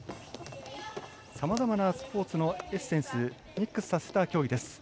さまざまなスポーツのエッセンスをミックスさせた競技です。